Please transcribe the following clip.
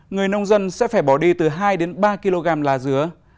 người nông dân sẽ phải bỏ đi từ hai đến ba kg lá dứa